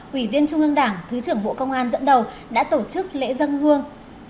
ủy viên trung ương đảng thứ trưởng bộ công an dẫn đầu đã tổ chức lễ dân hương